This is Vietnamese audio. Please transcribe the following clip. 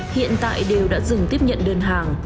hiện tại đều đã